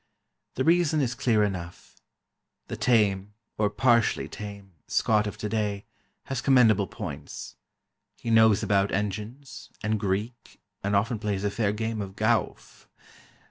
The reason is clear enough: the tame, or partially tame, Scot of today, has commendable points; he knows about engines, and Greek, and often plays a fair game of gowf.